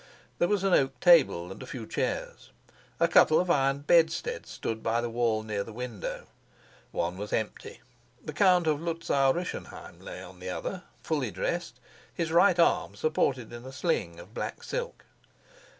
There was an oak table and a few chairs; a couple of iron bedsteads stood by the wall near the window. One was empty; the Count of Luzau Rischenheim lay on the other, fully dressed, his right arm supported in a sling of black silk.